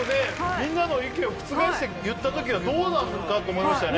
みんなの意見を覆して言ったときはどうなるかと思いましたよね